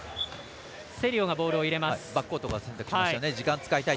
セリオがボールを入れます。